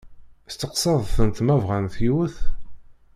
Testeqsaḍ-tent ma bɣant yiwet?